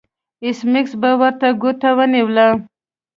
ایس میکس ورته ګوته ونیوله